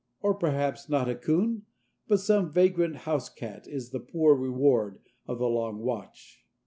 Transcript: Or perhaps not a coon, but some vagrant house cat is the poor reward of the long watch.